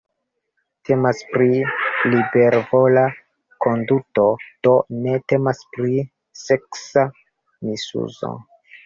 Temas pri libervola konduto, do ne temas pri seksa misuzo.